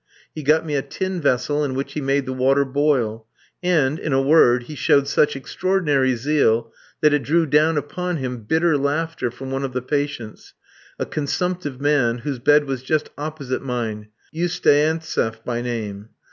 He got me a tin vessel, in which he made the water boil; and, in a word, he showed such extraordinary zeal, that it drew down upon him bitter laughter from one of the patients, a consumptive man, whose bed was just opposite mine, Usteantseff by name.